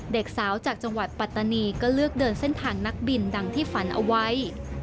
เด็กสาวจากจังหวัดปัตตานีก็เลือกเดินเส้นทางนักบินดังที่ฝันเอาไว้